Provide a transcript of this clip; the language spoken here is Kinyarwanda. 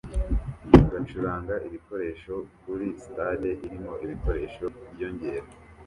bacuranga ibikoresho kuri stade irimo ibikoresho byiyongera